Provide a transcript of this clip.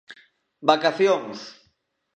¡Vacacións!